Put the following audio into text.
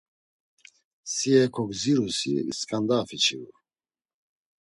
Si heko gzirusi sǩanda afiçiru.